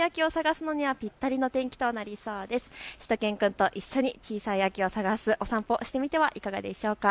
しゅと犬くんと小さい秋を探す、散歩してみてはいかがでしょうか。